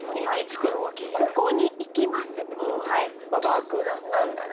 爆弾なんだね。